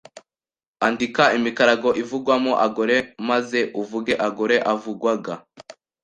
Andika imikarago ivugwamo agore maze uvuge a agore avugwaga